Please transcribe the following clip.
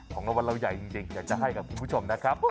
ของรางวัลเราใหญ่จริงอยากจะให้กับคุณผู้ชมนะครับ